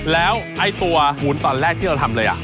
แล้วไอ้ตัววุ้นตอนแรกที่เราทำเลย